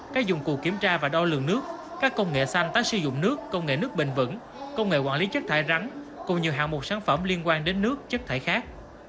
các dụng cụ kiểm tra và đo lường nước các công nghệ xanh tái sử dụng nước công nghệ nước bình vẩn công nghệ quản lý chất thải rắn cùng nhiều hạng mục sản phẩm liên quan đến nước chất thải khác